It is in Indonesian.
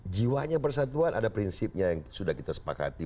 jiwanya persatuan ada prinsipnya yang sudah kita sepakati